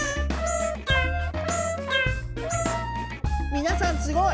みなさんすごい！